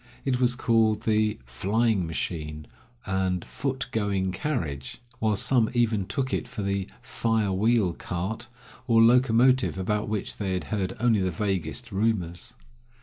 It was called the "flying machine" and "foot going carriage," while some even took it for the "fire wheel cart," or locomotive, about which they had heard only the vaguest rumors.